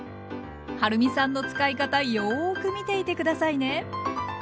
はるみさんの使い方よく見ていて下さいね。